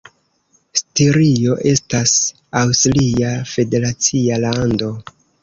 Stirio estas aŭstria federacia lando.